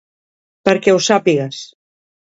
Perquè ho sàpigues!